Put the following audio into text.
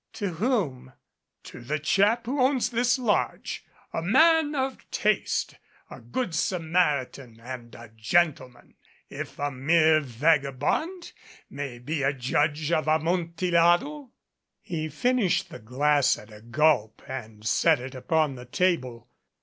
"To whom?" To the chap who owns this lodge a man of taste, a good Samaritan and a gentleman, if a mere vagabond may be a judge of Amontillado." He finished the glass at a gulp and set it upon the table.